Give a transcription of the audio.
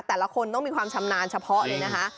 แต่ละคนต้องมีความชำนาญเฉพาะเลยนะคะ